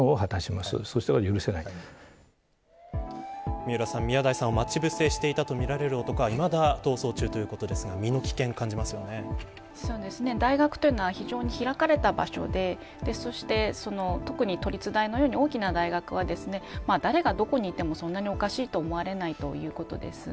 三浦さん、宮台さんを待ち伏せしていたとみられる男はいまだ逃走中ということですが大学は非常に開かれた場所で特に都立大のように大きな大学は誰がどこにいてもそんなにおかしいと思われないということです。